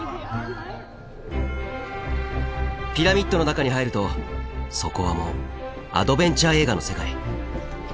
ピラミッドの中に入るとそこはもうアドベンチャー映画の世界。